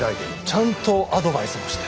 ちゃんとアドバイスもして。